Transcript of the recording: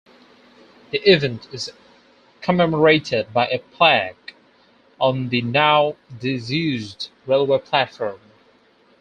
The event is commemorated by a plaque on the now disused railway platform.